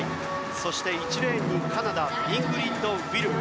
そして、１レーンにカナダイングリッド・ウィルム。